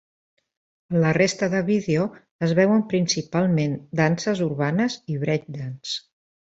A la resta de vídeo es veuen principalment danses urbanes i break dance.